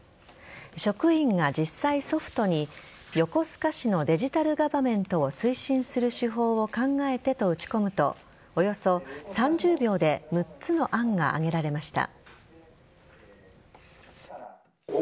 職員が実際、ソフトに横須賀市のデジタルガバメントを推進する手法を考えてと打ち込むとおよそ３０秒で６つの案が挙げられました。